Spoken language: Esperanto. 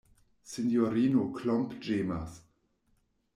Sinjorino Klomp ĝemas.